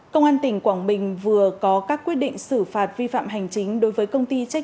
công an tỉnh quảng bình vừa có các quyết định xử phạt vi phạm hành chính đối với công ty trách nhiệm